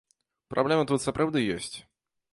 Праблема тут сапраўды ёсць.